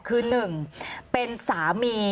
คือหนึ่งเป็นสามี